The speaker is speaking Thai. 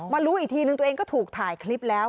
รู้อีกทีนึงตัวเองก็ถูกถ่ายคลิปแล้ว